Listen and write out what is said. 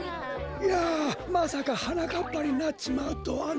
いやまさかはなかっぱになっちまうとはな。